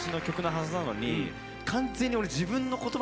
完全に。